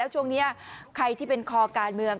ช่วงนี้ใครที่เป็นคอการเมือง